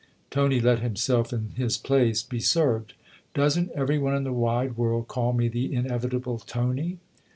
Tony let himself, in his place, be served. " Doesn't every one in the wide world call me the inevitable 'Tony'?